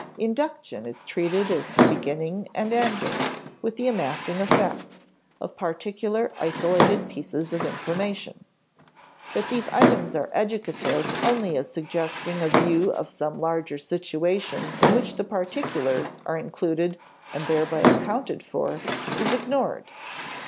Induction is treated as beginning and ending with the amassing of facts, of particular isolated pieces of information. That these items are educative only as suggesting a view of some larger situation in which the particulars are included and thereby accounted for, is ignored.